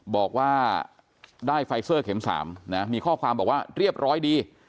บอกว่าได้ไฟเซอร์เข็ม๓นะมีข้อความบอกว่าเรียบร้อยดี